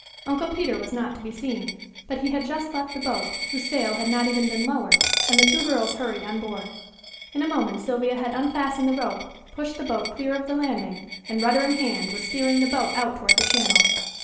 Uncle Peter was not to be seen. But he had just left the boat, whose sail had not even been lowered, and the two girls hurried on board. In a moment Sylvia had unfastened the rope, pushed the boat clear of the landing, and rudder in hand was steering the boat out toward the channel.